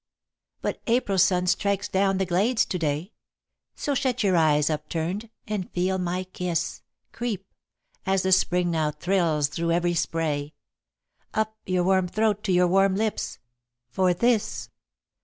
"But April's sun strikes down the glades to day; So shut your eyes upturned, and feel my kiss Creep, as the Spring now thrills through every spray, Up your warm throat to your warm lips: for this"